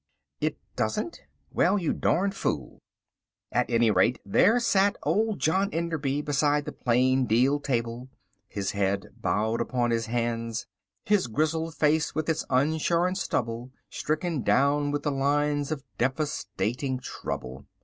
It doesn't? Well, you darn fool! At any rate there sat old John Enderby beside the plain deal table, his head bowed upon his hands, his grizzled face with its unshorn stubble stricken down with the lines of devastating trouble.